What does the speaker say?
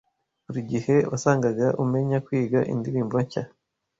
Buri gihe wasangaga umenya kwiga indirimbo nshya.